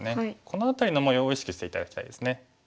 この辺りの模様を意識して頂きたいですね。